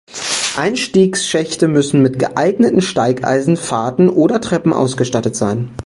Einstiegschächte müssen mit geeigneten Steigeisen, Fahrten oder Treppen ausgestattet sein.